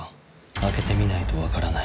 開けてみないとわからない。